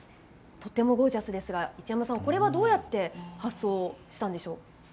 とてもゴージャスですが市山さん、これはどうやって発想したんでしょうか。